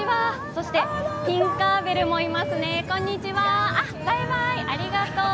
そしてティンカーベルもいますねこんにちは、バイバイ、ありがとう。